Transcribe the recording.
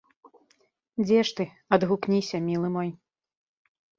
Дзе ж ты, адгукніся, мілы мой.